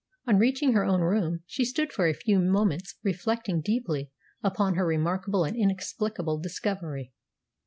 On reaching her own room she stood for a few moments reflecting deeply upon her remarkable and inexplicable discovery.